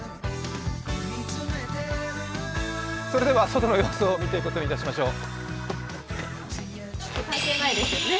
外の様子を見ていくことにいたしましょう。